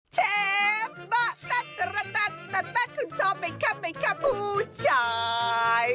เชฟบะตะตะละตะคุณชอบไหมคะไหมคะผู้ชาย